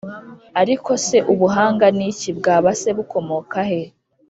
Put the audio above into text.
Ariko se Ubuhanga ni iki? Bwaba se bukomoka he?